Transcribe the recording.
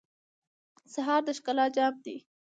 سهار د ښکلا جام دی.